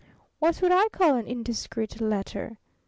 "What would I call an 'indiscreet letter'?"